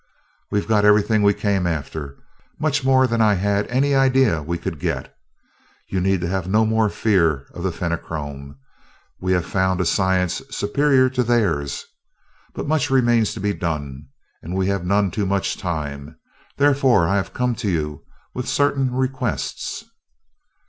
"We've got everything we came after much more than I had any idea we could get. You need have no more fear of the Fenachrone we have found a science superior to theirs. But much remains to be done, and we have none too much time; therefore I have come to you with certain requests."